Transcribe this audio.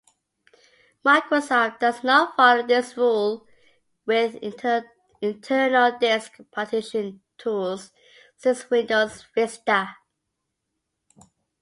Microsoft does not follow this rule with internal disk partition tools since Windows Vista.